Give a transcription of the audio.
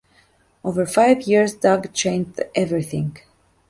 Over five years, Doug changed everything